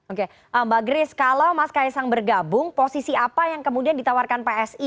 oke mbak grace kalau mas kaisang bergabung posisi apa yang kemudian ditawarkan psi